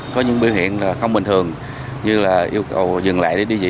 có những biểu hiện là không bình thường như là yêu cầu dừng lại để đi gì